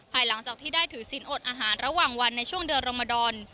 หลังจากที่ได้ถือศิลปอดอาหารระหว่างวันในช่วงเดือนรมดอน